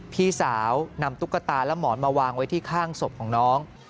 พี่สาวนำตุ๊กตาและหมอนมาวางไว้ที่ข้างศพของน้อง